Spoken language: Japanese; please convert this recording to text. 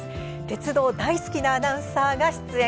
鉄道大好きなアナウンサーが出演。